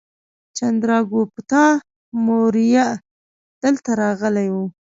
چندراګوپتا موریه دلته راغلی و